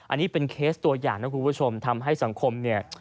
อันนี้เป็นเคสตัวอย่างนะคุณผู้ชมทำให้สังคมเนี่ย